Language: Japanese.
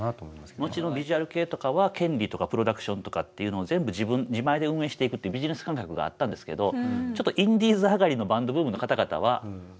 もちろんビジュアル系とかは権利とかプロダクションとかっていうのを全部自分自前で運営していくっていうビジネス感覚があったんですけどちょっとインディーズ上がりのバンドブームの方々はわりと悲しい末路になってる場合が多い。